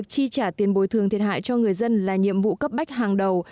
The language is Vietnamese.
chi trả tiền bồi thường thiệt hại cho người dân là nhiệm vụ cấp bách hàng đầu